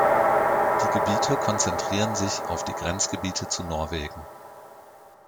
Die Gebiete konzentrieren sich auf die Grenzgebiete zu Norwegen.